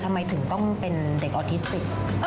ทำไมถึงต้องเป็นเด็กออทิสติก